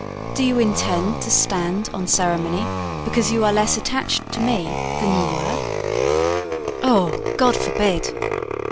Do you intend to stand on ceremony because you are less attached to me than you were?" "Oh! God forbid!"